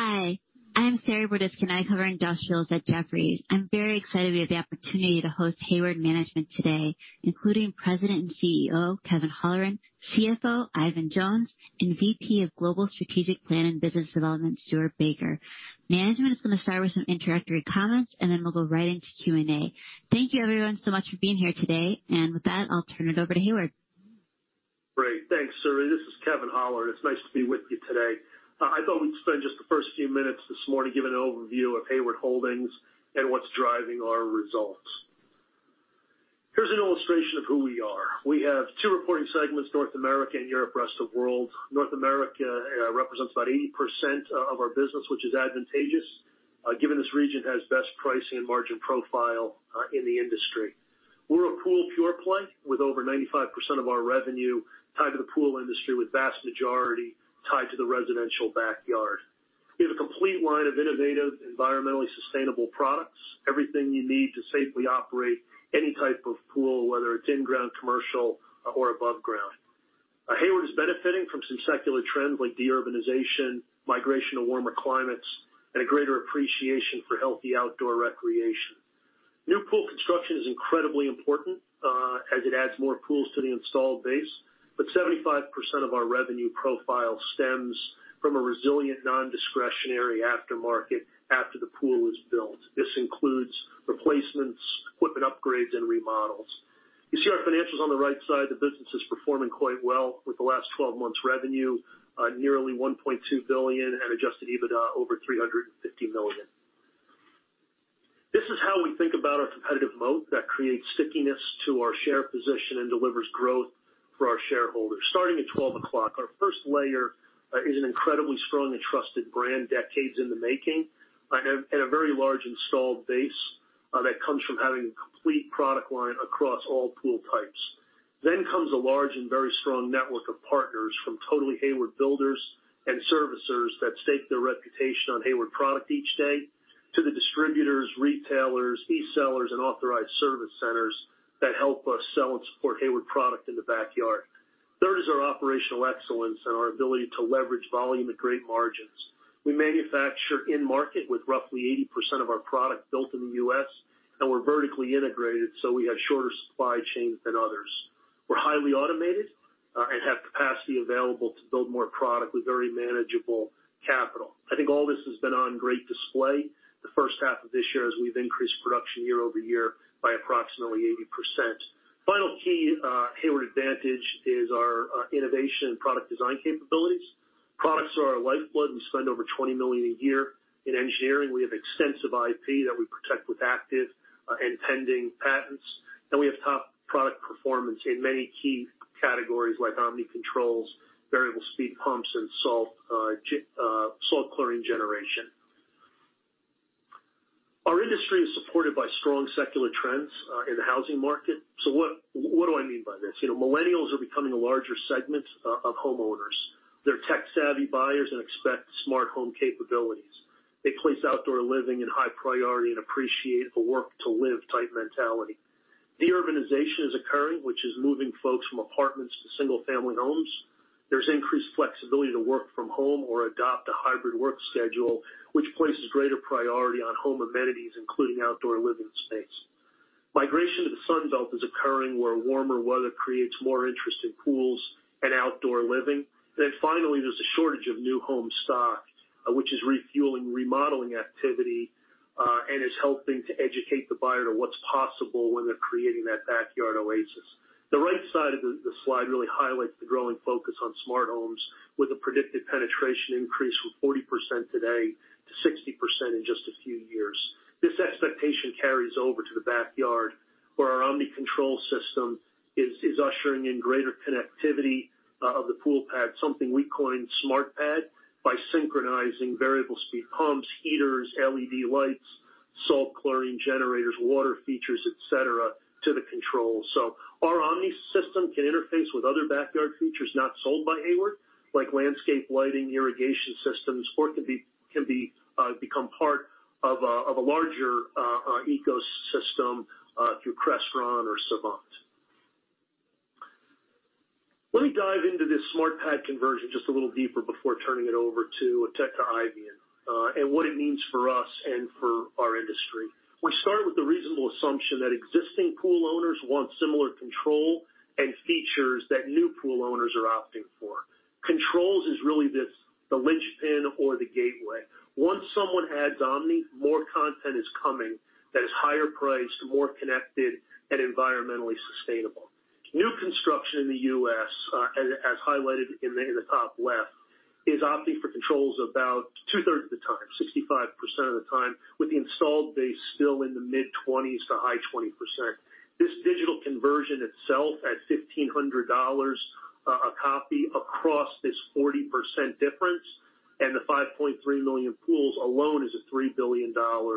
Hi, I'm Saree Boroditsky, and I cover industrials at Jefferies. I'm very excited we have the opportunity to host Hayward management today, including President and CEO, Kevin Holleran, CFO, Eifion Jones, and VP of Global Strategic Planning and Business Development, Stuart Baker. Management is going to start with some introductory comments, then we'll go right into Q&A. Thank you everyone so much for being here today. With that, I'll turn it over to Hayward. Great. Thanks, Saree. This is Kevin Holleran. It's nice to be with you today. I thought we'd spend just the first few minutes this morning giving an overview of Hayward Holdings and what's driving our results. Here's an illustration of who we are. We have two reporting segments, North America and Europe, rest of world. North America represents about 80% of our business, which is advantageous, given this region has best pricing and margin profile in the industry. We're a pool pure play with over 95% of our revenue tied to the pool industry, with vast majority tied to the residential backyard. We have a complete line of innovative, environmentally sustainable products. Everything you need to safely operate any type of pool, whether it's in-ground, commercial or above ground. Hayward is benefiting from some secular trends like de-urbanization, migration to warmer climates, and a greater appreciation for healthy outdoor recreation. New pool construction is incredibly important, as it adds more pools to the installed base. 75% of our revenue profile stems from a resilient non-discretionary aftermarket after the pool is built. This includes replacements, equipment upgrades, and remodels. You see our financials on the right side. The business is performing quite well, with the last 12 months revenue nearly $1.2 billion and adjusted EBITDA over $350 million. This is how we think about our competitive moat that creates stickiness to our share position and delivers growth for our shareholders. Starting at 12 o'clock, our first layer is an incredibly strong and trusted brand, decades in the making, and a very large installed base that comes from having a complete product line across all pool types. Comes a large and very strong network of partners, from Totally Hayward builders and servicers that stake their reputation on Hayward product each day, to the distributors, retailers, e-sellers, and authorized service centers that help us sell and support Hayward product in the backyard. Third is our operational excellence and our ability to leverage volume at great margins. We manufacture in-market with roughly 80% of our product built in the U.S., and we're vertically integrated, so we have shorter supply chains than others. We're highly automated, and have capacity available to build more product with very manageable capital. I think all this has been on great display the first half of this year, as we've increased production year-over-year by approximately 80%. Final key Hayward advantage is our innovation and product design capabilities. Products are our lifeblood. We spend over $20 million a year in engineering. We have extensive IP that we protect with active and pending patents, and we have top product performance in many key categories like Omni controls, variable speed pumps, and salt chlorine generation. Our industry is supported by strong secular trends, in the housing market. What do I mean by this? Millennials are becoming a larger segment of homeowners. They're tech-savvy buyers and expect smart home capabilities. They place outdoor living in high priority and appreciate a work-to-live type mentality. De-urbanization is occurring, which is moving folks from apartments to single-family homes. There's increased flexibility to work from home or adopt a hybrid work schedule, which places greater priority on home amenities, including outdoor living space. Migration to the Sun Belt is occurring, where warmer weather creates more interest in pools and outdoor living. Finally, there's a shortage of new home stock, which is refueling remodeling activity, and is helping to educate the buyer to what's possible when they're creating that backyard oasis. The right side of the slide really highlights the growing focus on smart homes, with a predicted penetration increase from 40% today to 60% in just a few years. This expectation carries over to the backyard, where our Omni control system is ushering in greater connectivity of the pool pad, something we coined SmartPad, by synchronizing variable speed pumps, heaters, LED lights, salt chlorine generators, water features, et cetera, to the control. Our Omni system can interface with other backyard features not sold by Hayward, like landscape lighting, irrigation systems, or it can become part of a larger ecosystem through Crestron or Savant. Let me dive into this SmartPad conversion just a little deeper before turning it over to Eifion Jones, what it means for us and for our industry. We started with the reasonable assumption that existing pool owners want similar control and features that new pool owners are opting for. Controls is really the linchpin or the gateway. Once someone adds Omni, more content is coming that is higher priced, more connected, and environmentally sustainable. New construction in the U.S., as highlighted in the top left, is opting for controls about two-thirds of the time, 65% of the time, with the installed base still in the mid-20s to high 20%. This digital conversion itself, at $1,500 a copy across this 40% difference and the 5.3 million pools alone, is a $3 billion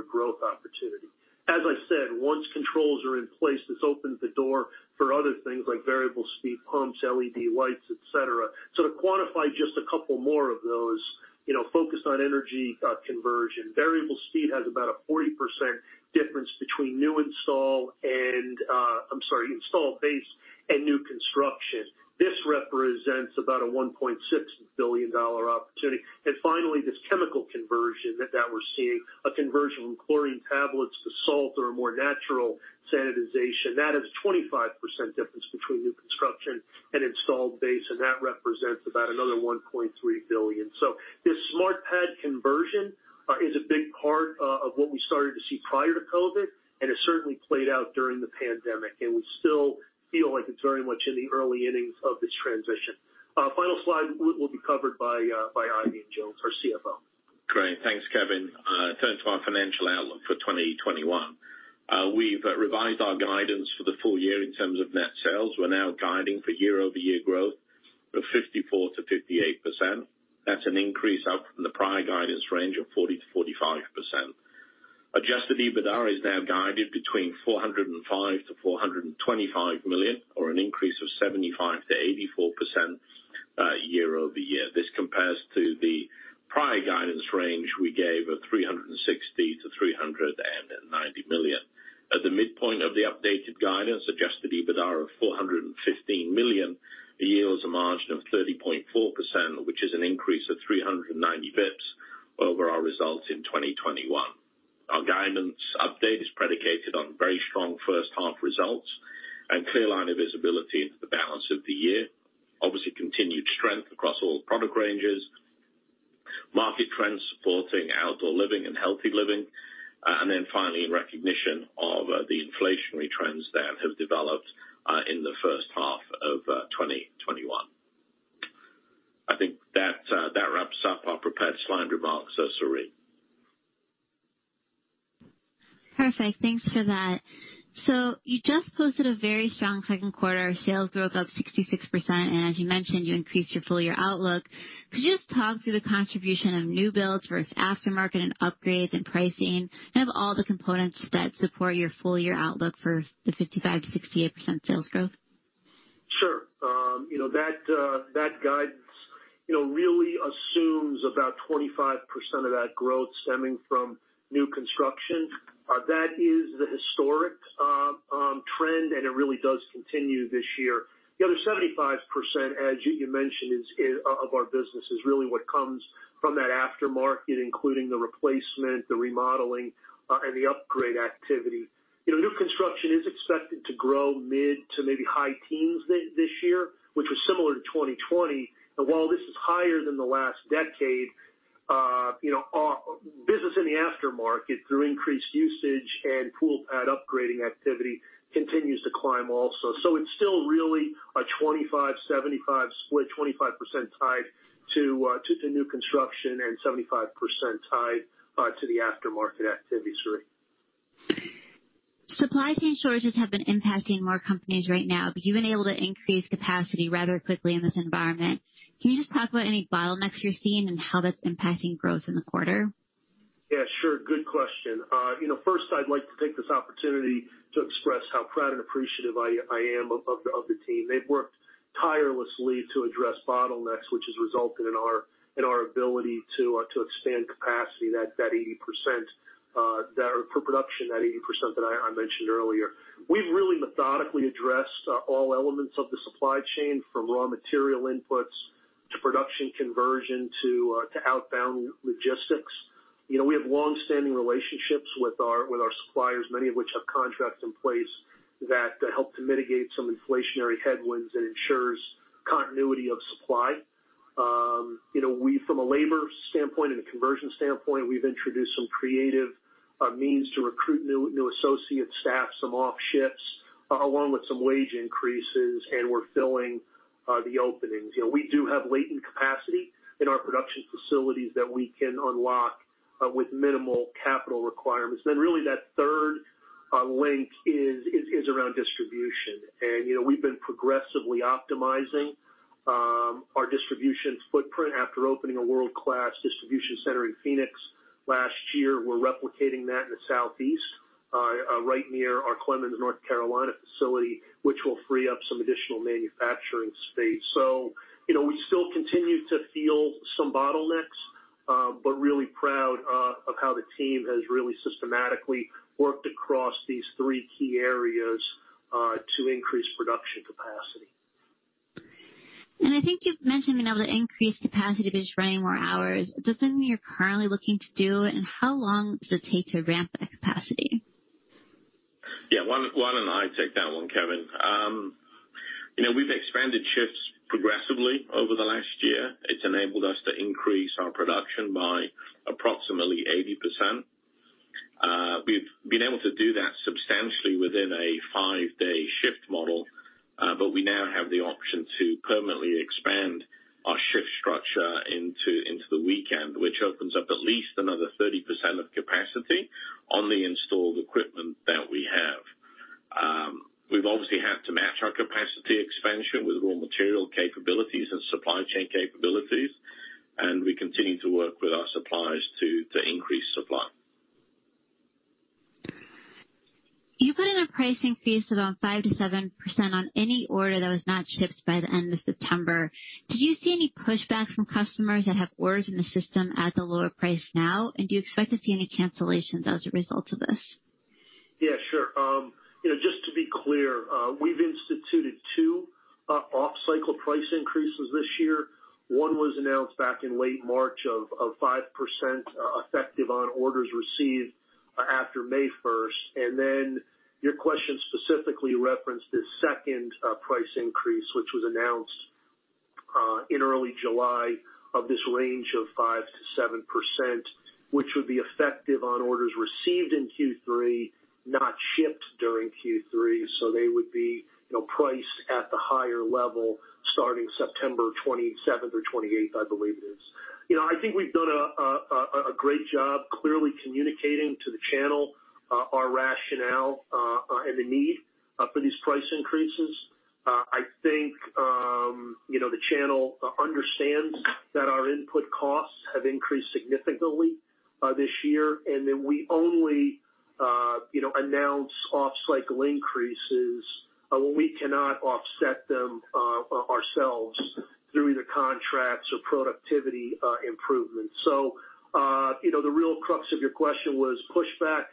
growth opportunity. As I said, once controls are in place, this opens the door for other things like variable speed pumps, LED lights, et cetera. To quantify just a couple more of those focused on energy conversion. Variable speed has about a 40% difference between new install, installed base and new construction. This represents about a $1.6 billion opportunity. Finally, this chemical conversion that we're seeing, a conversion from chlorine tablets to salt or a more natural sanitization. That is 25% difference between new construction and installed base, and that represents about another $1.3 billion. This SmartPad conversion is a big part of what we started to see prior to COVID, and it certainly played out during the pandemic, and we still feel like it's very much in the early innings of this transition. Final slide will be covered by Eifion Jones, our CFO. Great. Thanks, Kevin. In terms of our financial outlook for 2021, we've revised our guidance for the full year in terms of net sales. We're now guiding for year-over-year growth of 54%-58%. That's an increase up from the prior guidance range of 40%-45%. Adjusted EBITDA is now guided between $405 million to $425 million, or an increase of 75%-84% year-over-year. This compares to the prior guidance range we gave of $360 million to $390 million. At the midpoint of the updated guidance, adjusted EBITDA of $415 million yields a margin of 30.4%, which is an increase of 390 basis points over our results in 2021. Our guidance update is predicated on very strong first half results and clear line of visibility into the balance of the year. Obviously, continued strength across all product ranges, market trends supporting outdoor living and healthy living. Finally, in recognition of the inflationary trends that have developed in the first half of 2021. I think that wraps up our prepared slide remarks. Saree. Perfect. Thanks for that. You just posted a very strong second quarter. Sales grew above 66%, and as you mentioned, you increased your full year outlook. Could you just talk through the contribution of new builds versus aftermarket and upgrades and pricing and of all the components that support your full year outlook for the 55%-68% sales growth? Sure. That guidance really assumes about 25% of that growth stemming from new construction. That is the historic trend, and it really does continue this year. The other 75%, as you mentioned, of our business is really what comes from that aftermarket, including the replacement, the remodeling, and the upgrade activity. New construction is expected to grow mid to maybe high teens this year, which was similar to 2020. While this is higher than the last decade, business in the aftermarket, through increased usage and pool pad upgrading activity, continues to climb also. It's still really a 25/75 split, 25% tied to new construction and 75% tied to the aftermarket activity, Saree. Supply chain shortages have been impacting more companies right now. You've been able to increase capacity rather quickly in this environment. Can you just talk about any bottlenecks you're seeing and how that's impacting growth in the quarter? Yeah, sure. Good question. First, I'd like to take this opportunity to express how proud and appreciative I am of the team. They've worked tirelessly to address bottlenecks, which has resulted in our ability to expand capacity, that 80% for production, that 80% that I mentioned earlier. We've really methodically addressed all elements of the supply chain, from raw material inputs to production conversion to outbound logistics. We have longstanding relationships with our suppliers, many of which have contracts in place that help to mitigate some inflationary headwinds and ensures continuity of supply. From a labor standpoint and a conversion standpoint, we've introduced some creative means to recruit new associate staff, some off shifts, along with some wage increases, and we're filling the openings. We do have latent capacity in our production facilities that we can unlock with minimal capital requirements. Really that third link is around distribution. We've been progressively optimizing our distribution footprint after opening a world-class distribution center in Phoenix last year. We're replicating that in the Southeast, right near our Clemmons, N.C. facility, which will free up some additional manufacturing space. We still continue to feel some bottlenecks, but really proud of how the team has really systematically worked across these three key areas, to increase production capacity. I think you've mentioned being able to increase capacity by just running more hours. Is that something you're currently looking to do, and how long does it take to ramp that capacity? Yeah. Why don't I take that one, Kevin? We've expanded shifts progressively over the last year. It's enabled us to increase our production by approximately 80%. We've been able to do that substantially within a five-day shift model. We now have the option to permanently expand our shift structure into the weekend, which opens up at least another 30% of capacity on the installed equipment that we have. We've obviously had to match our capacity expansion with raw material capabilities and supply chain capabilities, we continue to work with our suppliers to increase supply. You put in a pricing fee of about 5%-7% on any order that was not shipped by the end of September. Did you see any pushback from customers that have orders in the system at the lower price now, and do you expect to see any cancellations as a result of this? Yeah, sure. Just to be clear, we've instituted two off-cycle price increases this year. One was announced back in late March of 5%, effective on orders received after May 1st. Your question specifically referenced this second price increase, which was announced in early July, of this range of 5%-7%, which would be effective on orders received in Q3, not shipped during Q3. They would be priced at the higher level starting September 27th or 28th, I believe it is. I think we've done a great job clearly communicating to the channel our rationale and the need for these price increases. I think the channel understands that our input costs have increased significantly this year, that we only announce off-cycle increases when we cannot offset them ourselves through either contracts or productivity improvements. The real crux of your question was pushback.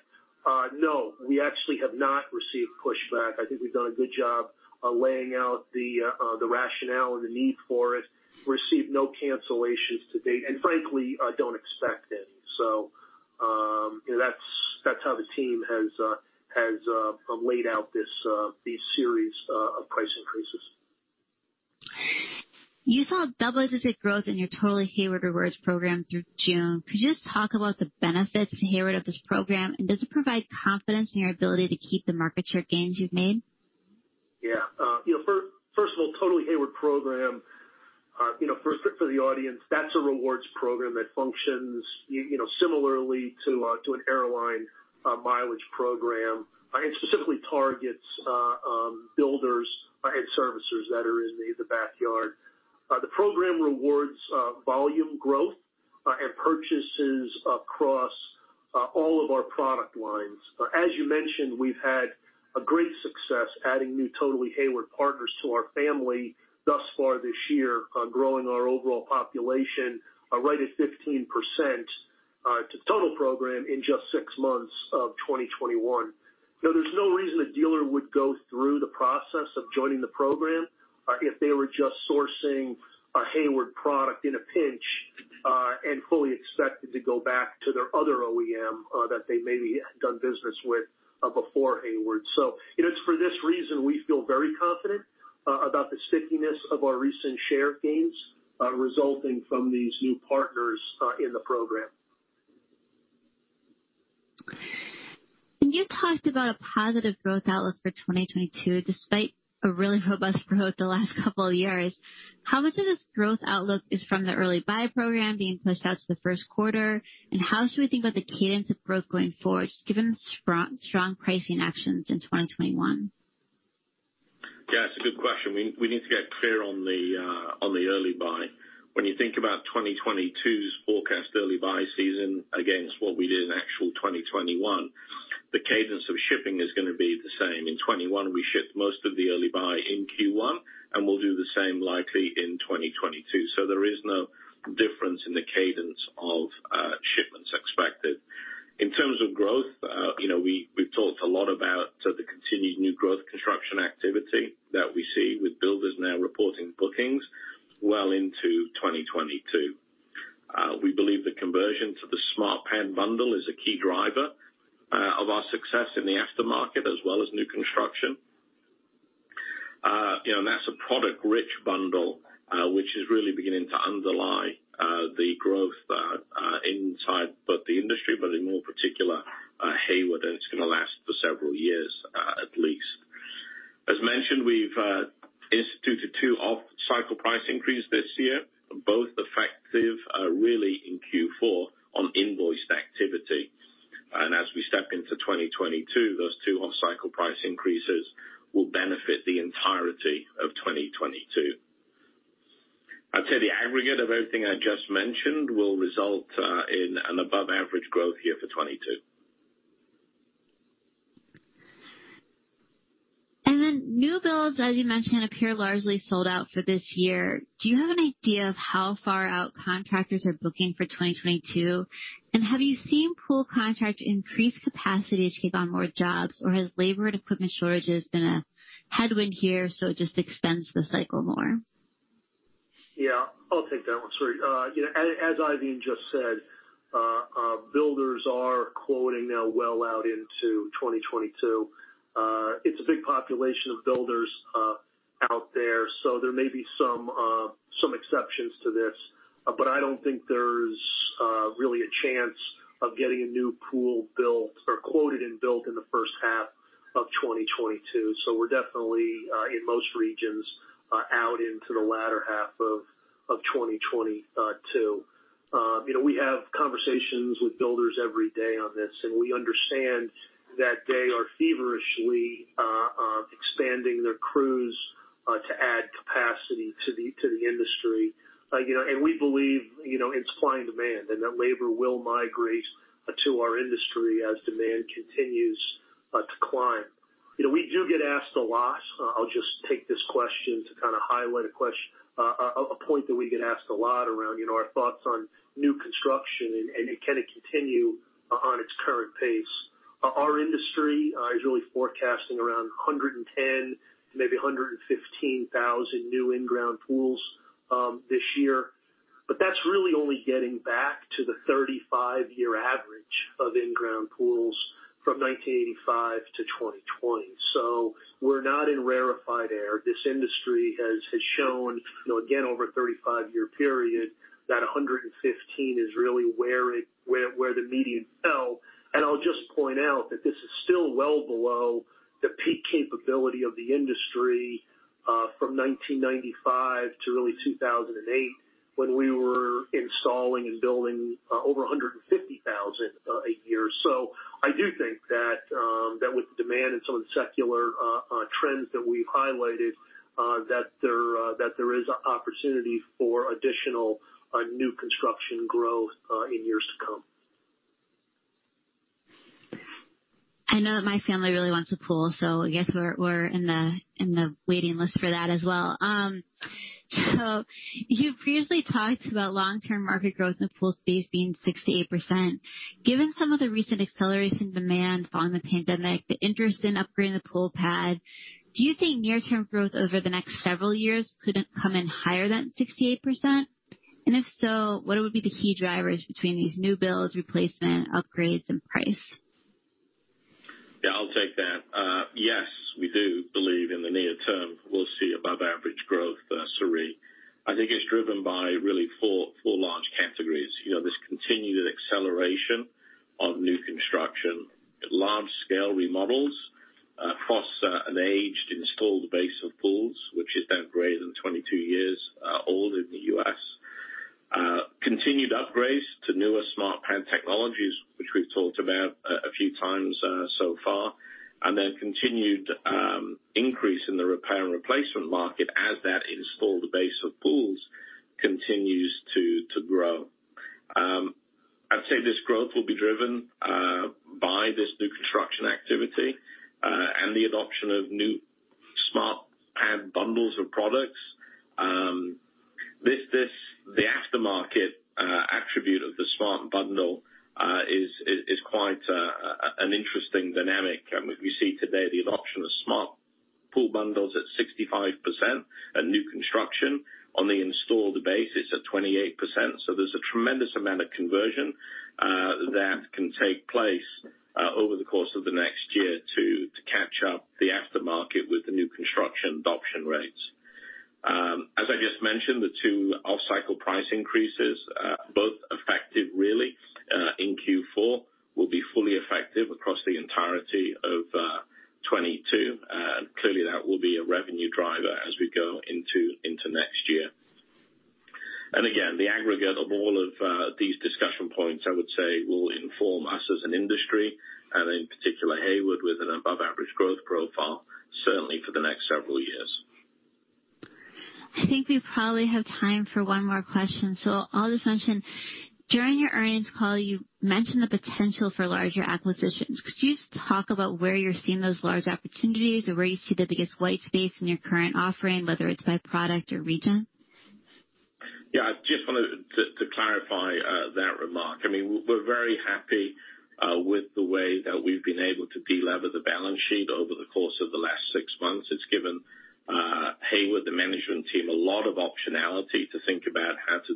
No, we actually have not received pushback. I think we've done a good job of laying out the rationale and the need for it. Received no cancellations to date, and frankly, don't expect any. That's how the team has laid out these series of price increases. You saw double-digit growth in your Totally Hayward Rewards Program through June. Could you just talk about the benefits to Hayward of this program, and does it provide confidence in your ability to keep the market share gains you've made? Yeah. First of all, Totally Hayward program, first, for the audience, that's a rewards program that functions similarly to an airline mileage program, and specifically targets builders and servicers that are in the backyard. The program rewards volume growth and purchases across all of our product lines. As you mentioned, we've had great success adding new Totally Hayward partners to our family thus far this year, growing our overall population right at 15% to total program in just six months of 2021. There's no reason a dealer would go through the process of joining the program if they were just sourcing a Hayward product in a pinch, and fully expected to go back to their other OEM that they maybe had done business with before Hayward. It's for this reason, we feel very confident about the stickiness of our recent share gains resulting from these new partners in the program. You talked about a positive growth outlook for 2022, despite a really robust growth the last couple of years. How much of this growth outlook is from the early buy program being pushed out to the first quarter? How should we think about the cadence of growth going forward, just given strong pricing actions in 2021? Yeah, it's a good question. We need to get clear on the early buy. When you think about 2022's forecast early buy season against what we did in actual 2021, the cadence of shipping is going to be the same. In 2021, we shipped most of the early buy in Q1, and we'll do the same likely in 2022. There is no difference in the cadence of shipments expected. In terms of growth, we've talked a lot about the continued new growth construction activity that we see with builders now reporting bookings well into 2022. We believe the conversion to the SmartPad bundle is a key driver of our success in the aftermarket as well as new construction. That's a product-rich bundle, which is really beginning to underlie the growth inside both the industry, but in more particular, Hayward, and it's going to last for several years at least. As mentioned, we've instituted two off-cycle price increase this year, both effective really in Q4 on invoiced activity. As we step into 2022, those two off-cycle price increases will benefit the entirety of 2022. I'd say the aggregate of everything I just mentioned will result in an above-average growth year for 2022. New builds, as you mentioned, appear largely sold out for this year. Do you have an idea of how far out contractors are booking for 2022? Have you seen pool contracts increase capacity to take on more jobs, or has labor and equipment shortages been a headwind here, so it just extends the cycle more? Yeah. I'll take that one. Saree. As Eifion just said, builders are quoting now well out into 2022. It's a big population of builders out there, so there may be some exceptions to this, but I don't think there's really a chance of getting a new pool built or quoted and built in the first half of 2022. We're definitely, in most regions, out into the latter half of 2022. We have conversations with builders every day on this, and we understand that they are feverishly expanding their crews to add capacity to the industry. We believe it's supply and demand, and that labor will migrate to our industry as demand continues to climb. We do get asked a lot, so I'll just take this question to kind of highlight a point that we get asked a lot around our thoughts on new construction, and can it continue on its current pace? Our industry is really forecasting around 110,000, maybe 115,000 new in-ground pools this year. That's really only getting back to the 35-year average of in-ground pools from 1985 to 2020. We're not in rarefied air. This industry has shown, again, over a 35-year period, that 115,000 is really where the median fell. I'll just point out that this is still well below the peak capability of the industry, from 1995 to really 2008, when we were installing and building over 150,000 a year. I do think that with the demand and some of the secular trends that we've highlighted, that there is opportunity for additional new construction growth in years to come. I know that my family really wants a pool, so I guess we're in the waiting list for that as well. You've previously talked about long-term market growth in the pool space being 6%-8%. Given some of the recent acceleration demand following the pandemic, the interest in upgrading the SmartPad, do you think near-term growth over the next several years could come in higher than 68%? If so, what would be the key drivers between these new builds, replacement, upgrades, and price? Yeah, I'll take that. Yes, we do believe in the near term, we'll see above average growth, Saree. I think it's driven by really four large categories. This continued acceleration of new construction, large scale remodels across an aged installed base of pools, which is now greater than 22 years old in the U.S. Continued upgrades to newer SmartPad technologies, which we've talked about a few times so far, and then continued increase in the repair and replacement market as that installed base of pools continues to grow. I'd say this growth will be driven talk about where you're seeing those large opportunities or where you see the biggest white space in your current offering, whether it's by product or region? Yeah. I just wanted to clarify that remark. We're very happy with the way that we've been able to delever the balance sheet over the course of the last six months. It's given Hayward, the management team, a lot of optionality to think about how to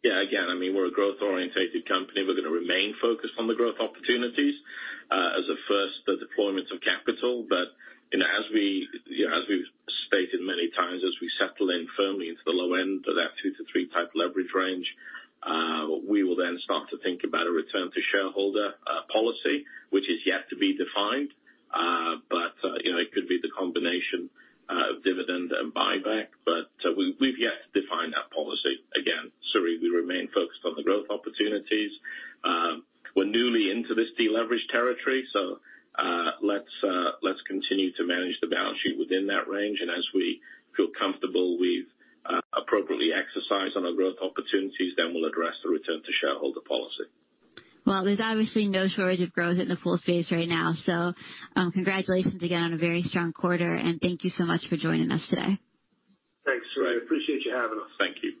Again, we're a growth-orientated company. We're going to remain focused on the growth opportunities as a first deployment of capital. As we've stated many times, as we settle in firmly into the low end of that two to three type leverage range, we will then start to think about a return to shareholder policy, which is yet to be defined. It could be the combination of dividend and buyback, but we've yet to define that policy. Again, Saree, we remain focused on the growth opportunities. We're newly into this deleverage territory, so let's continue to manage the balance sheet within that range, and as we feel comfortable we've appropriately exercised on our growth opportunities, then we'll address the return to shareholder policy. Well, there's obviously no shortage of growth in the pool space right now. Congratulations again on a very strong quarter, and thank you so much for joining us today. Thanks, Saree. Appreciate you having us. Thank you.